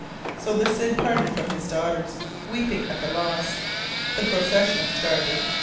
So the Cid parted from his daughters, weeping at the loss. The procession started.